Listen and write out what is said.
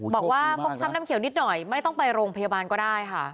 ฟกช้ำน้ำเขียวนิดหน่อยไม่ต้องไปโรงพยาบาลก็ได้ค่ะ